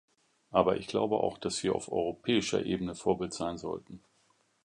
Aber ich glaube auch, dass wir auf europäischer Ebene Vorbild sein sollten.